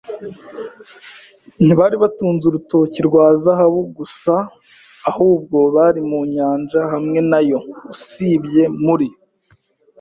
ntibari batunze urutoki rwa zahabu gusa, ahubwo bari mu nyanja hamwe nayo, usibye, muri